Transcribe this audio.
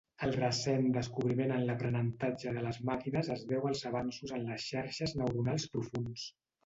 El recent descobriment en l'aprenentatge de les màquines es deu als avanços en les xarxes neuronals profunds.